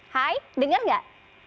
hai dengar nggak